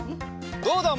どうだ？